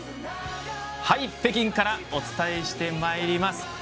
はい、北京からお伝えしてまいります。